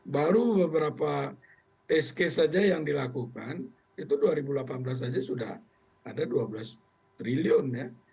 baru beberapa test case saja yang dilakukan itu dua ribu delapan belas saja sudah ada dua belas triliun ya